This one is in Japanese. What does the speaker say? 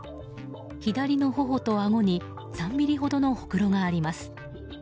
左の頬とあごに３ｍｍほどのほくろがあります。